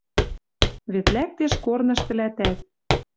Вет лӓктеш корныш тӹлӓтӓт